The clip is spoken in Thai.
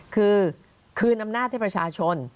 คือคืนอำนาจให้ประชาชน